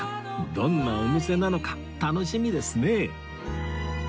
どんなお店なのか楽しみですね